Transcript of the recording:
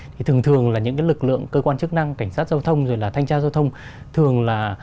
thì thường thường là những lực lượng cơ quan chức năng cảnh sát giao thông thanh tra giao thông